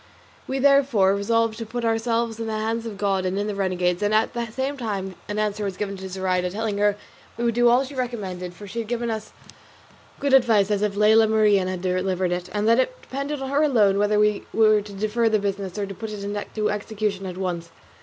We therefore resolved to put ourselves in the hands of God and in the renegade's; and at the same time an answer was given to Zoraida, telling her that we would do all she recommended, for she had given as good advice as if Lela Marien had delivered it, and that it depended on her alone whether we were to defer the business or put it in execution at once.